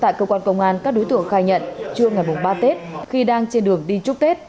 tại cơ quan công an các đối tượng khai nhận trưa ngày ba tết khi đang trên đường đi chúc tết